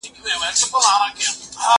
زه هره ورځ منډه وهم!؟